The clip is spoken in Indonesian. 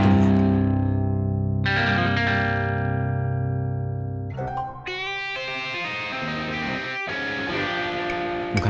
bukan begitu akan bakwan